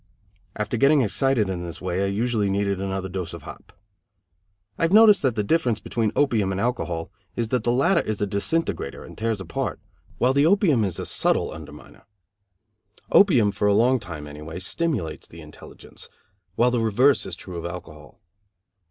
After getting excited in this way I usually needed another dose of hop. I have noticed that the difference between opium and alcohol is that the latter is a disintegrator and tears apart, while the opium is a subtle underminer. Opium, for a long time anyway, stimulates the intelligence; while the reverse is true of alcohol.